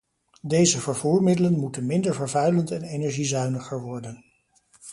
Deze vervoermiddelen moeten minder vervuilend en energiezuiniger worden.